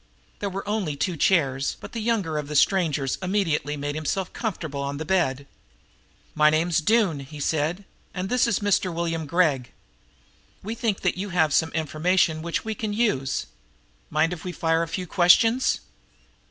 There were only two chairs, but the younger of the strangers immediately made himself comfortable on the bed. "My name's Doone," he said, "and this is Mr. William Gregg. We think that you have some information which we can use. Mind if we fire a few questions?"